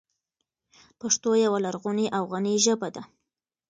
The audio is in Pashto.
پښتو یوه لرغونې او غني ژبه ده.